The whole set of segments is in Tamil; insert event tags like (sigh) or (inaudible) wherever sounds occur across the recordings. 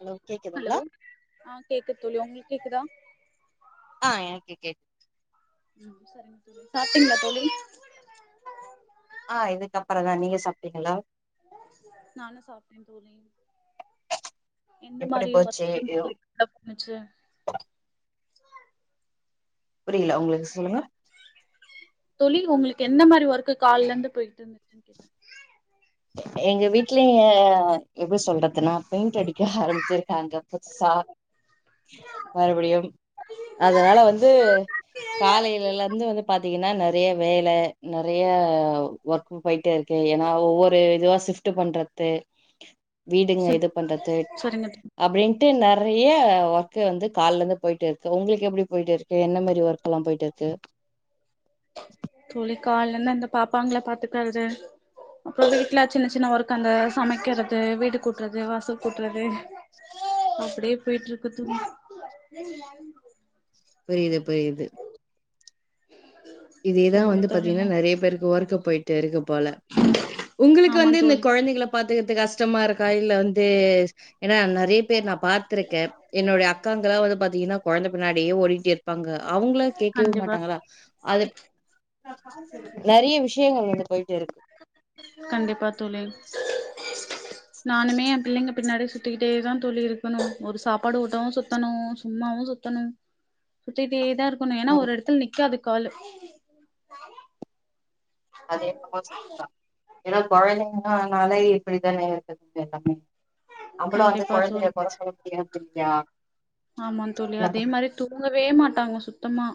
ஹலோ கேக்குதுங்களா ஹலோ ஆ கேக்கு தோழி உங்களுக்கு கேக்குதா ஆ எனக்கு கேக் சாப்ட்டீங்களா தோழி ஆ இதுக்கு அப்பற தா நீங்க சாப்ட்டீங்களா நானு சாப்பட்டே தோழி எந்த எப்படி மாரி போச்சு வர்க்குன் ஐயோ, போய் டு னுச்சு புரியில உங்களுது சொல்லுங்க தோழி உங்களுக்கு எந்த மாரி ஒர்க் காலைல இருந்து போயிட்டு இருந்துச்சு எங்க வீட்ல எப்டி சொல்றதுன்னா பெயிண்ட் அடிக்க ஆரம்பிச்சிருக்காங்க புதுசா மறுபடியும் அதனால வந்து காலையிலல இருந்து வந்து பாத்தீங்கன்னா நெறைய வேல நெறைய ஒர்க் கு போயிட்டு இருக்கு ஏன்னா ஒவ்வொ ரு இதுவா ஷிஃப்ட்டு பண்றது வீடுங்க சரி இது பண்றது சரிங்க அப்டின்ட்டு நறைய ஒர்க்கு வந்து காலைலந்து போயிட்டு இருக்கு உங்குளுக்கு எப்டி போயிட்டு இருக் கு என்ன மாரி ஒர்க்லா போயிட்டு இருக்கு தோழி காலைலருந்து இந்த பாப்பாங்கள பாத்துக்குறது அப்றோ வீட்ல சின்ன சின்ன ஒர்க் அந்த சமைக்கிறது வீடு கூட்றது வாசல் கூட்றது அப்டியே போயிட்டு இருக்கு தோழி புரியுது புரியுது இதே தா சரிங்க வந்து தோழி பாத்தீங்கன்னா நெறைய பேருக்கு ஒர்க்கு போயிட்டு இருக்கு போல உங்குளுக்கு ஆமா வந்து இந்த தோழி கொழந்தைங்கள பாத்துக்குறது கஷ்டமா இருக்கா இல்ல வந்து ஏன்னா நறைய பேர் நா பாத் துருக்கே என்னுடைய அக்காங்களா வந்து பாத்தீங்கன்னா கொழந்த பின்னாடியே ஓடிட்டு இருப்பாங்க அவுங்களா கேக்கவே கண்டிப்பா மாட்டாங்களா அது நெறைய விஷயங்கள் வந்து போயிட்டு இருக்கு கண்டிப்பா தோழி நானுமே எ பிள்ளைங்க பின்னாடி சுத்திக்கிட்டே தா தோழி இருக்கணு ஒரு சாப்பாடு ஊட்டவு சுத்தணு சும்மாவு சுத்தணு சுத்திட்டே தா இருக்கணு ஏனா ஒரு ம். எடத்துல நிக்காது காலு அது என்னமோ சரிதா ஏனா கொழந்தைங்களா ஆனாலே இப்டித் தானே இருக்குது எல்லாமே அவங்களு வந்து கண்டிப்பா தோழி கொழந்தைங்கள கொற சொல்ல முடியாது இல்லியா ஆமா தோழி அதேமாரி தூங்கவே மாட்டாங்க சுத்தமா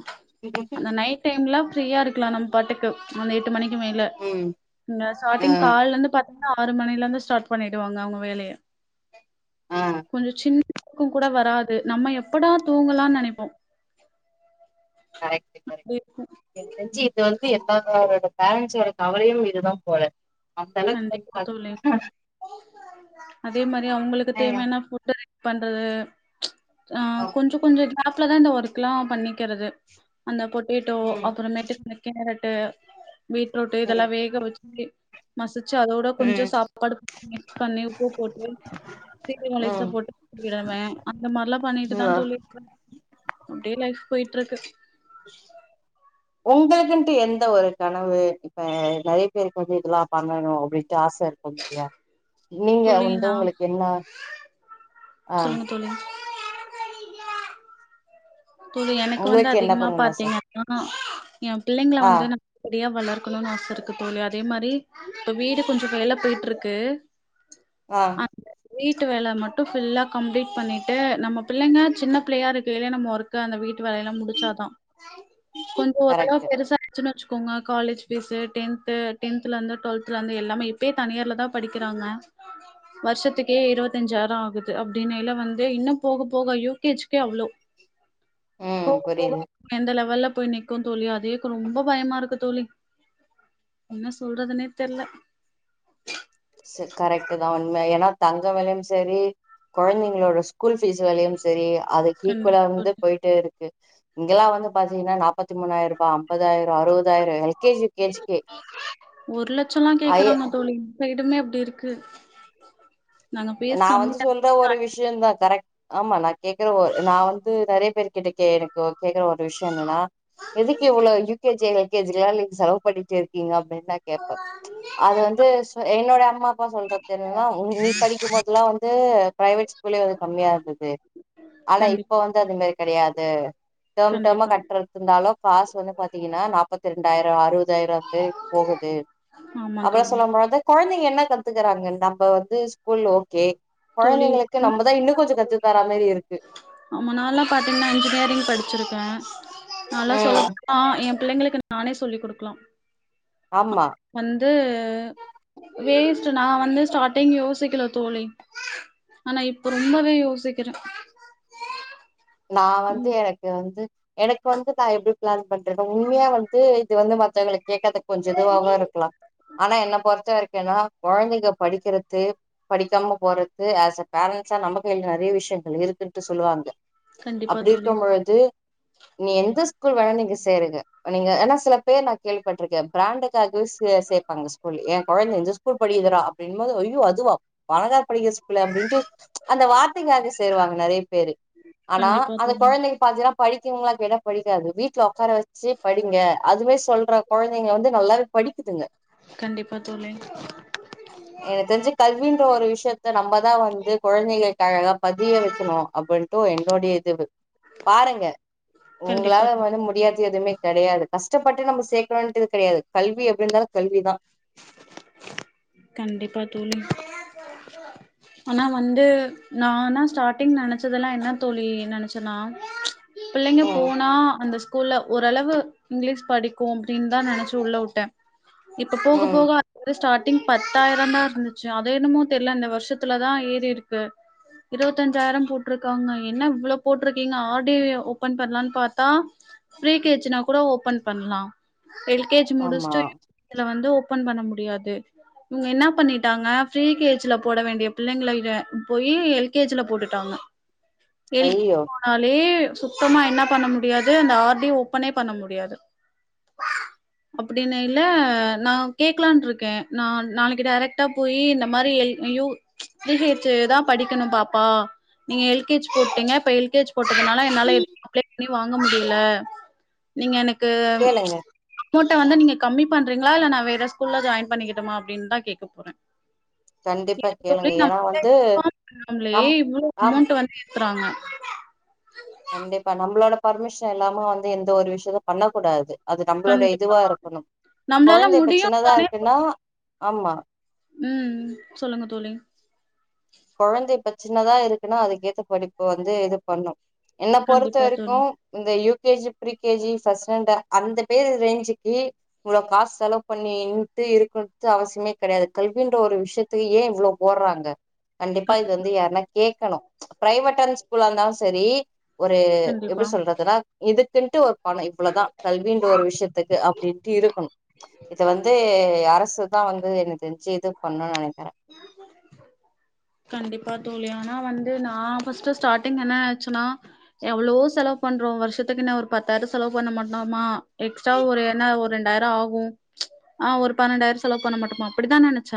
அந்த நைட் டைம்லா ஃப்ரீயா இருக்கலா நம்ம பாட்டுக்கு அந்த எட்டு மணிக்கு மேல ம். இங்க ஆ. ஸ்டார்ட்டிங் கால்ல இருந்து பாத்தீங்கனா ஆறு மணில இருந்து ஸ்டார்ட் பண்ணிடுவாங்க அவுங்க வேலைய ஆ. கொஞ்சோ சின்ன துக்கோகூட வராது நம்ம எப்படா தூங்கலான் நனைப்போ கரெக்ட்டு அப்டி கரெக்ட் இருக்கு எனக்கு தெரிஞ்சு இது வந்து எல்லாரோட பேரண்ட்ஸ்ஸோட கவலையு இதுதா போல அந்த அளவுக்கு வந்து கண்டிப்பா தோழி அதேமாரி அவுங்குளுக்கு பாத்தீங்கன்னா தேவையான ஃபுட்டு பண்றது ஆ ஆமா கொஞ்சோ கொஞ்சோ கேப்லதா இந்த ஒர்க்குலா பண்ணிக்கிறது அந்த பொட்டேட்டோ ம் அப்றமேட்டு இந்த கேரட்டு பீட்ரூட் இதெல்லா ம் வேக வெச்சு மசிச்சு அதோட கொஞ்சோ ம் சாப்பாடு மிக்ஸ் பண்ணி உப்பு போட்டு (unintelligible) ம் போட்டு குடிக்கறவே அந்த மாரிலா பண்ணிட்டுதா ம் தோழி அப்டியே லைஃப் போய்ட்ருக்கு உங்குளுக்குன்ட்டு என்ட்ட ஒரு கனவு இப்ப நைட்டு ஒர்க் வந்து இதெல்லா பண்ணணு அப்டின்ட்டு ஆச இருக் அப்டியா நீங்க தோழி வந்து நா உங்குளுக்கு என்ன ஆ சொல்லுங்க தோழி தோழி எனக்கு வந்து உங்களுக்கு என்ன அதிகமா பண்ணணுனு ஆச பாத்தீங்கனா எ பிள்ளைங்கள ஆ வந்து நா இப்டியே வளர்க்கணுனு ஆச இருக்கு தோழி அதேமாரி இப்ப வீடு கொஞ்சோ வேல போய்ட்ருக்கு ஆ அத்னால வீட்டு வேல மட்டு ஃபுல்லா கம்ப்ளீட் பண்ணிட்டு நம்ம பிள்ளைங்க சின்ன பிள்ளையா இருக்கைலயே நம்ம ஒர்க் க்கா அந்த வீட்டு வேலயெல்லா முடிச்சாதா கொஞ்சோ கரெக்ட் ஓரளவு பெருசா ச்சுன் வெச்சுக்கோங்க காலேஜ் ஃபீஸு டென்த்து டென்த்துலருந்து டுவெல்த்துலருந்து எல்லாமே இப்பயே தனியார்லதா படிக்கிறாங்க வர்ஷத்துக்கே இருவத்தஞ்சாய்ரோ ஆகுது அப்டின்னைல வந்து இன்னு போக போக யூ கே ஜிகே அவ்ளோ ம் போக போக புரிது எந்த லெவல்ல போய் நிக்கு தோழி அதே ரொம்ப பயமா இருக்கு தோழி என்ன சொல்றதுனே தெர்ல செ கரெக்ட்டுதா உண்ம எனா தங்க வெலையு சேரி கொழந்தைங்களோட ஸ்கூல் ஃபீஸ் வேலயு சேரி அதுக் ஈக்வலா கண்டிப்பா வந்து தோழி போய்ட்டே இருக்கு இங்கெல்லா வந்து பாத்தீங்கன்னா நா முப்பத்தி மூணாயரூபா ஐம்பதாய்ரோ அறுவதாய்ரோ L K G U K ஜிக்கே ஒரு லட்சலா கேக்குறாங்க தோ இந்த இடமே அப்டி இருக்கு நாங்க பேஸ் நா கம்மி வந்து சொல்ற ஒரு விஷ்யோந்தா கரெக்ட் ஆமா நான் கேக்குற ஒ நா வந்து நறைய பேர் கிட்ட கே எனக்கு கேக்குற ஒரு விஷ்யோ என்னனா எதுக்கு இவ்வளோ U K G L K ஜிக்குலா நீங்க செலவு படிக்க வெக்கிங்க அப்டின் நா கேப்ப அது வந்து சு என்னோட அம்மா அப்பா சொல்ற தென்னனா நீ படிக்கும்போதல்லா வந்து ப்ரைவேட் ஸ்கூலே வந்து கம்மியா இருந்தது ஆனா கண்டிப்பா இப்ப வந் து தோழி அதுமாரி கடையாது டெர்ம் டெர்மா கண்டிப்பா கட்டறது இருந்தாலு காசு வந்து பாத்தீங்கன்னா நாப்பத்திரெண்டாய்ரோ அறுவதாய்ரோ வந்து போகுது ஆமா அப்புலா தோழி சொல்லும்போது கொழந்தைங்க என்ன கத்துக்கறாங்கன்தா நம்ம வந்து ஸ்கூல்ல ஓ கே தோழி கொழந்தைங்களுக்கு நம்மதா இன்னு கொஞ்சோ கத்து தராமாரி இருக்கு நம்ம நாளா பாத்தீங்கன்னா இன்ஜினியரிங் படிச்சிருக்க நா எல்லா சொல்ல ம் போனா எ பிள்ளைங்களுக்கு நானே சொல்லி் குடுக்கலா ஆமா வந்தூ வேஸ்ட்டு நா வந்து ஸ்டாட்டிங் யோசிக்கல தோழி ஆனா இப்ப ரொம்பவே யோசிக்கிறே நா வந்து ம் எனக்கு வந்து எனக்கு வந்து நா எப்படி பிளான் பண்ரணோ உண்மையா வந்து இது வந்து மத்தவங்களுக் கேட்கதுக் கொஞ்ச இதுவாவா இருக்லா ஆனா என்ன பொறுத்த வரைக்கு என்னனா கொழந்தைங்க படிக்கிறது படிக்காம போறத்து ஆஷ் அ பேரண்ட்ஸா நம்ம கைல நெறைய விஷயங்கள் இருக்குன்ட்டு சொல்லுவாங்க கண்டிப்பா அப்டி தோழி இருக்கம் பொழுது நீ எந்த ஸ்கூல் வேணா நீங்க சேருங்க நீங்க ஏனா சில பேர் நா கேள்விப்பட்ருக்க பிராண்டுக்காகவிஸ்ஸு சேப்பாங்க ஸ்கூல் ஏ கொழந்த இந்த ஸ் கூல் படிக்குதடா அப்டின்போது ஐயோ அதுவா பணக்கார படிக்ற ஸ்கூலே அப்டின்ட்டு அந்த வார்தைங்காக சேருவாங்க நெறைய பேரு ஆனா கண்டிப்பா அந்த தோழி கொழந்தைங் பாத்தினா படிக்குங்ளா கேட்டா படிக்காது வீட்ல ஒக்கார வச் சி படிங்க அதுவே சொல்ற கொழந்தைங்க வந்து நல்லாவே படிக்குதுங்க கண்டிப்பா தோழி எனக் தெரிஞ்சி கல்வின்ற ஒரு விஷயத்த நம்மதா வந்து கொழந்தைகள்க் கழக பதிய வைக்கணூ அப்புட்ன் டு என்னோடைய இது பாருங்க உங்ளால கண்டிப்பா வந்து முடியாதது எதுமே கெடையாது கஷ்டப்பட்டு நம்ம சேக்கணூன்ட் இது கெடையாது கல்வி எப்டி இருந்தாலு கல்விதா கண்டிப்பா தோழி ஆனா வந்து நானா ஸ்டாட்டிங் நெனச்சதெல்லா என்னா தோழி நெனச்சனா பிள்ளைங்க ம் போனா அந்தஸ் கூல்ல ஓரளவு இங்லீஷ் படிக்கூ அப்டின்தா நெனச்சி உள்ள உட்டே இப்ப போக ம் போக அந்து ஸ்டார்ட் டிங் பத்தாயிரோதா இருந்துச்சு அத என்னமோ தெர்ல அந்த வருஷத்துலதா ஏறிருக்கு இருவத்தஞ்சாயிரோ போட்ருக்காங்க என்ன இவ்ளோ போட்ருக்கீங்க ஆர் டி ய ஓபன் பண்லானு பாத்தா ஃப்ரீ கே ஜி னா கூட ஓபன் பண்லா எல் கே ஜி ஆமா முடிச்ட்டு இதுல வந்து ஓபன் பண்ண முடியாது இவங்க என்னா பண்ணிட்டாங்க பிரீ கே ஜி ல போட வேண்டிய பிள்ளைங்ளல்க போயி எல் கே ஜி ல போட்டுட்டாங்க எல் ஐயோ னாலே சுத்தமா என்ன பண்ண முடியாது அந்த ஆர் டி ஓப்பனே பண்ண முடியாது அப்டினைல நா கேக்லான்ருக்கே நான் நாளைக்கு டேரக்டா போயி இந்த மாரி எல் ஐயோ பி ஹெச் சுதா படிக்கணு பாப்பா நீங்க எல் கே ஜ் போட்டிங்க இப்ப எல் கே ஜ் போட்டதுனால என்னால அப்ளை பண்ணி வாங்க முடியல நீங்க எனக்கூ கேளுங்க அமௌட்ட வந்து நீங்க கம்மி பண்றிங்ளா இல்ல நா வேற ஸ்கூல்ல ஜாயின் பண்ணிக்கட்டுமா அப்டின்தா கேக்க போறே கண்டிப்பா கேளுங்க ஏன்னா வந்து (unintelligible) ம்லே நம் இவ்ளோ ஆம் அமௌண்ட் வந்து ஏத்துறாங்க கண்டிப்பா நம்ளோட பர்மிஷன் இல்லாம வந்து எந்த ஒரு விஷ்யகு பண்ண கூடாது அது நம்ளோட கண்டிப்பா இதுவா இருக்கணூ நம்மளால கொழந்தைங்க முடியு சின்னதா தானே இருக்குன்னா ஆமா ம் சொல்லுங்க தோழி கொழந்த இப்ப சின்னதா இருக்குனா அதுக்கேத்த படிப்பு வந்து இது பண்ணு என்ன பொறுத்த கண்டிப்பா வரைக்கூ தோழி இந்த U K G free K G first standard அந்த பேரு ரேஞ்சிக்கீ இவ்ளோ காஸ் செலவு பண்ணி நின்ட்டு இருக்னுட்டு அவசியமே கெடையாது கல்வின்ற ஒரு விஷயத் து ஏ இவ்ளோ போட்றாங்க கண்டிப்பா இது வந்து யாருனா கேக்கணூ பிரைவேட்டான ஸ்கூல்லா இருந்தாலு சரீ ஒரூ கண்டிப்பா எப்டி சொல்றதுனா இதுக்குன்ட்டு வ பணொ இவ்ளொதா கல்வின்ற ஒரு விஷயத்துக்கு அப்டின்ட்டு இருக்கணு இத வந்து அரசு தா வந்து எனக்கு தெரிஞ்சி இது பண்ணுன் நெனைக்கிறே (unintelligible) கண்டிப்பா தோழி ஆனா வந்து நா ஃபர்ஸ்ட் ஸ்டாடிங் என்ன நெனச்சன்னா எவ்ளோ செலவு பண்றோ வருஷத்துக்குன்ன ஒரு பத்தாயிர செலவு பண்ண மாட்டோமா எக்ஸ்ட்ரா ஒரு என்ன ஒரு ரெண்டாயிர ஆகு ஆ ஒரு பன்னெண்டாயிர செலவு பண்ண மாட்டோமா அப்படிதா நெனைச்ச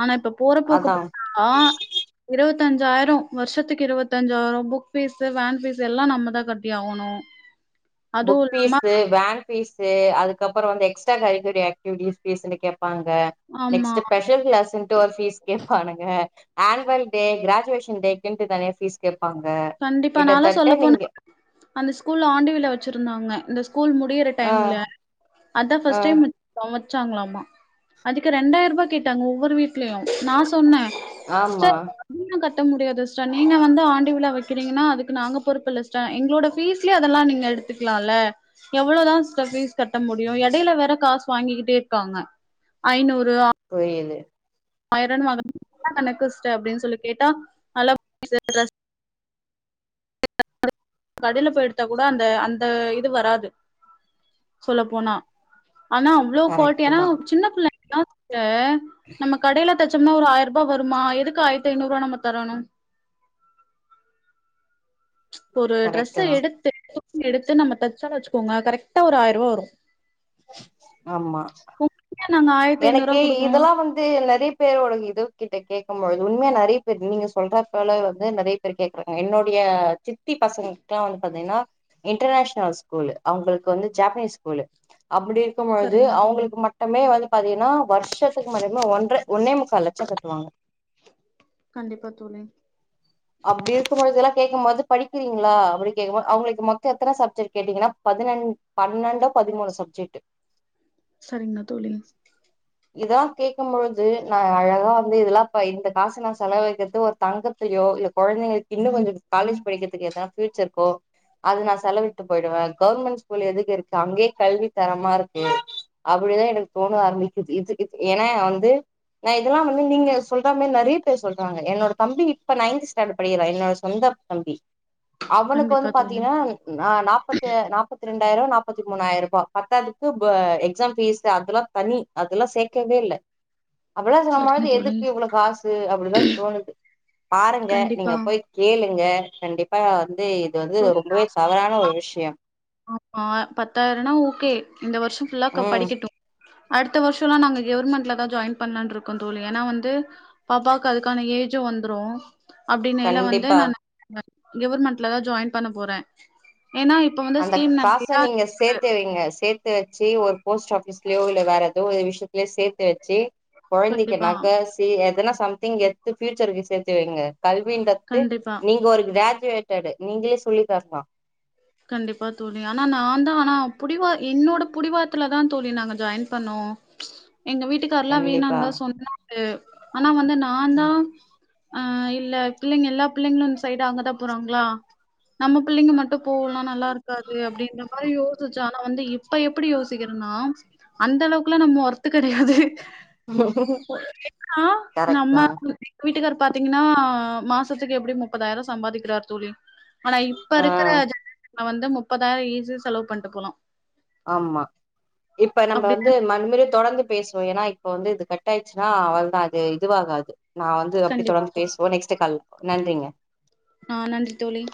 ஆனா இப்ப போறப்போக்க பா அதா (unintelligible) ஆ இருவத்தஞ்சாயிரோ வருஷத்துக்கு இருவத்தஞ்சாயிரோ புக் ஃபீஸு வேன் ஃபீஸு எல்லா நம்ம தா கட்டியாவணு (unintelligible) புக் ஃபீஸ் ஸு வேன் பீஸு அதுக்கப்புறோ வந்து எக்ஸ்ட்ரா கரிகுலி ஆக்டிவிட்டிஸ் ஃபீஸ்னு கேப்பாங்க ஆமா நெக்ஸ்டு பெஷல் கிளாஸ்ன் டு ஃபீஸ் கேப்பானுங்க அன்வல் டே கிராஜுவேஷன்டேகின்டு தனிய ஃபீஸ் கேப்பாங்க கண்டிப்பா நாலா சொல்ல கிட்டத்தட்ட போனா நீங்க அந்த ஸ்கூல்ல ஆண்டு விழா வச்சிருந்தாங்க இந்த ஸ்கூல் முடியற ஆ டைம்ல அதா ஆ ஃபஸ்ட் டைமு சமச்சாங்ளாமா அதுக்கு ரெண்டாயி ரூபா கேட்டாங்க ஒவ்வொரு வீட்லயு நா சொன்ன ஆமா ஸ்டர் (unintelligible) கட்ட முடியாது சிஸ்ட நீங்க வந்து ஆண்டு விழா வ கிறிங்கனா அதுக்கு நாங்க பொறுப்புல்ல சிஸ்ட எங்ளோட ஃபீஸ்லயே அதெல்லா நீங்க எடுத்துக்லால்ல எவ்ளோவுதா ஸ்ட ஃபீஸ் கட்ட முடியு இடயில வேற காஸ் வாங்கிக்கிட்டே இருக்காங்க ஐநூறு ஆ புயுது ஆயிரனு வாங்க (unintelligible) என்ன கணக்கு சிஸ்ட அப்படின் சொல்லி கேட்டா நல்லா (unintelligible) கடைல போயி எடுத்தா கூட அந்த அந்த இது வராது சொல்லப்போனா ஆனா இவ்ளோ கரெக்ட்டு குவாலிட்டியானா தா சின்ன புள்ள (unintelligible) அ நம்ம கடையில த சம்னா ஒரு ஆயிரூபா வருமா எதுக்கு ஆயிரத்து ஐநூரூவா நம்ம தரணு ஒரு டிரெஸ்ஸ கரெக்ட்டு தா எடுத்து (unintelligible) எடுத்து நம்ம தைச்சனு வச்சுக்கோங்க கரெக்டா ஒரு ஆயருவா வரு ஆமா உங்களுக்கே நாங்க ஆயி எனக்கு இதெல்லா வந்து நறி பேரோட இது கிட்ட கேட்கும் பொழுது உண்மைய நெறைய பேர் நீங்க சொல்றாப்பல வந்து நெறை த்தரு கேக்குறக்கா என்னோடைய சித் த்தி பசங்குக்ளா வந்து பாத்தீங்கன்னா இன்டர்நேஷனல் ஸ்கூலு அவங்களுக்கு வந்து ஜாப்பனீஸ் ஸ்கூலு அப்டி இருக்கும்பொழுது சரிங்க தோழி அவுங்களுக்கு மட்டுமே வந்து பாத்தீங்கன்னா வருஷத்துக்கு மட்டுமே ஒன்றை ஒன்னே முக்கால் லட்சம் கட்டுவாங்க கண்டிப்பா தோழி அப்டி இருக்கும்பொழுதெல்லா கேட்கும்போது படிக்கிறீங்களா அப்டி கேக்குபோது அவுங்களுக்கு மொத்த எத்தன சப்ஜெக்ட் கேட்டீங்கன்னா பதினஞ் பன்னெண்டோ பதிமூணு சப்ஜெக்டு சரிங்க தோழி இதலா கேக்கும்பொழுது நா அழகா வந்து இதெல்லா ப இந்த காச நா செலவழிக்கிறது ஒரு தங்கத்தயோ இல்ல கொழந்தைங்களுக்கு இன்னு கொஞ்சோ காலேஜ் படிக்கிறதுக்கு எதா ஃபியூச்சருக்கோ அது நா செலவிட்டு போயிடுவே கவர்மெண்ட் ஸ்கூல் எதுக்கு இருக்கு அங்கயே கல்வி தரமா இருக்கு அப்டிதா எனக்கு தோண ஆரம்பிக்குது இது இது ஏனா வந்து நா இதெல்லா வந்து நீங்க சொல்ற மாரி நெறய பேர் சொல்றாங்க என்னோட தம்பி இப்ப நைன்த் ஸ் தேர்டு படிக்கறா என்னோட சொந்த தம்பி அவனுக்கு வந்து கண்டிப்பா தோழி பாத்தீங்ன்னா நா நாப்பத்த நாப்பத்தி ரெண்டாயிரூவா நாப்பத்தி மூணாயிரூபா பத்தாதுக்கு ப எக்ஸாம் ஃபீஸ் அதெல்லா தனி அதெல்லா சேக்கவே இல்ல அவளோ சரிங்க சமாலுக்கு தோழி எதுக்கு இவ்ளோ காசு அப்டிதா தோணுது பாருங்க நீங்க கண்டிப்பா போய் கேளுங்க கண்டிப்பா வந்து இது வந்து ரொம்பவே தவறான ஒரு விஷயம் அ அ பத்தாயிருனா ஓகே இந்த வருஷோ ஃபுல்லாக்கா ம் படிக்கட்டு அடுத்த வருஷோலா நாங்க கெவர்மெண்ட்ல தா ஜாயின் பண்லான்ருக்கோ தோழி ஏனா வந்து பாப்பாவுக்கு அதுக்கான ஏஜு வந்துரு அப்டினேல வந்து கண்டிப்பா நானு க கெவர்மெண்ட்லதா ஜாயின் பண்ண போற ஏனா இப் அந்த காச நீங்க சேத் து வைங்க சேத்து வெச்சு ஒரு போஸ்ட் ஆஃபீஸ்லயோ இல்ல வேற எதோ ஒரு விஷயத்துலயோ சேத்து வெச்சு கொழந்தைக்கு கண்டிப்பா நக சி எதனா சம்திங் எத்து ஃபியூச்சருக்கு சேத்துவைங்க கல்வின்றது கண்டிப்பா நீங்க ஒரு கிராஜுவேட்டடு நீங்களே சொல்லி தர்லா கண்டிப்பா தோழி ஆனா நா தா ஆனா புடிவா என்னோட புடிவாத்துல தா தோழி நாங்க ஜாயின் பண்ணோ ச எங்க வீட்டுக்கார்ல்லா கண்டிப்பா வேணானுதா சொன்னாரு ஆனா வந்து நான்தா ஆ இல்ல பிள்ளைங்க எல்லா பிள்ளைங்களு இந்த சைடு அங்கதா போறாங்களா நம்ம பிள்ளைங்க மட்டு போல்னா நல்லா இருக்காது அப்டின்ற மாரி யோசிச்ச ஆனா வந்து இப்ப எப்டி யோசிக்கிறன்னா அந்த அளவுக்குல்லா நம்ம ஒர்த்து கெடையாது ஏனா கரெக்ட் தா நம்ம வீட்டுக்கார் பாத்தீங்கன்னா மாசத்துக்கு எப்டியு முப்பதாயிரோ சம்பாதிக்கறாரு தோழி ஆனா இப்ப ஆ இருக்கிற ஜன்ரேஷன்ல வந்து முப்பதாயிரோ ஈஸியா செலவு பண்ட்டு போலா ஆமா இப்ப நம்ம வந்து அப்டிதான மண்மறி தொடர்ந்து பேசுவோ ஏனா இப்ப வந்து இது கட் ஆயிச்சுன்னா அவள்தா அது இதுவாகாது நா வந்து அப்டியே கண்டிப்பா தொடர்ந்து தோழி பேசுவோ நெக்ஸ்ட்டு கால் நன்றிங்க ஆ நன்றி தோழி